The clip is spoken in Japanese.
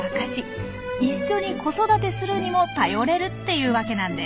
一緒に子育てするにも頼れるっていうわけなんです。